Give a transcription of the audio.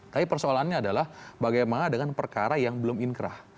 tapi persoalannya adalah bagaimana dengan perkara yang belum inkrah